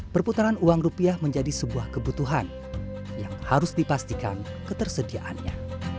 perputaran uang rupiah menjadi sebuah kebutuhan yang harus dipastikan ketersediaannya